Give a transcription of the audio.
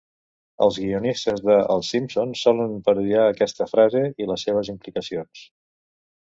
Els guionistes de "Els Simpson" solen parodiar aquesta frase i les seves implicacions.